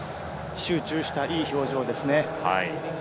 集中した、いい表情です。